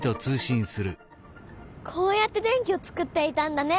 こうやって電気をつくっていたんだねファンファン。